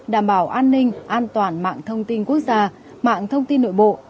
đảm bảo an ninh an toàn mạng thông tin quốc gia mạng thông tin nội bộ